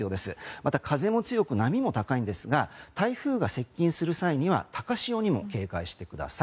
また、風も強く波も高いんですが台風が接近する際には高潮にも警戒してください。